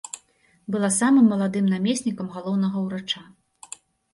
Была самым маладым намеснікам галоўнага ўрача.